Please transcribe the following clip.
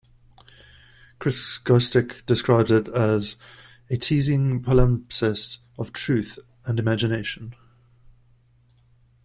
Chris Gostick describes it as "a teasing palimpsest of truth and imagination".